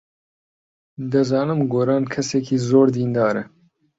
دەزانم گۆران کەسێکی زۆر دیندارە.